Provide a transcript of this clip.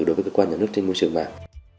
đối với cơ quan nhà nước trên môi trường mạng